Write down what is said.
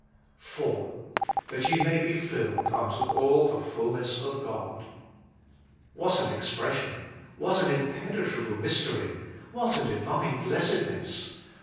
IV That ye may be filled unto all the fulness of God. What an expression ! what an impenetrable mystery ! what a divine blessedness